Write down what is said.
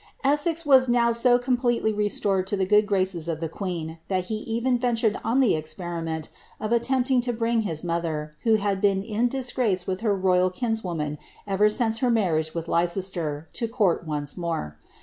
Essex was now so completely restored to the good graces of the ifoeen, that he even ventured on the experiment of attempting to bring his mother, who had been in disgrace with her royal kinswoman ever sioce her nuuriage with Leicester, to court once more.